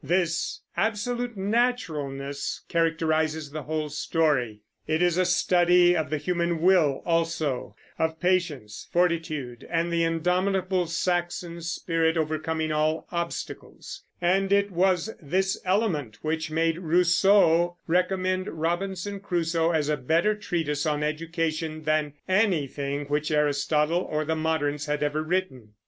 This absolute naturalness characterizes the whole story. It is a study of the human will also, of patience, fortitude, and the indomitable Saxon spirit overcoming all obstacles; and it was this element which made Rousseau recommend Robinson Crusoe as a better treatise on education than anything which Aristotle or the moderns had ever written.